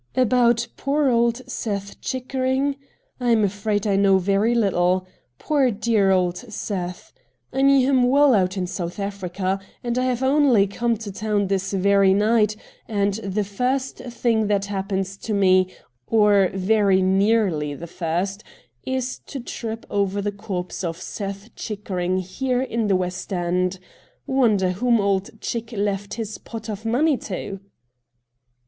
' About poor old Seth Chickering .^ I am afraid I know very little. Poor dear old Seth ! I knew him well out in South Africa, and I have only come to town this very night, and the first thing that happens to me, or very nearly the first, is to trip over the corpse of Seth Chickering here in the West End ! Wonder whom old Chick left his pot of money to?'